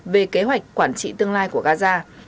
về kế hoạch quản trị tương lai của gaza